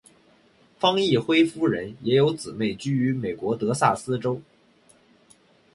方奕辉夫人也有姊妹居于美国德萨斯州。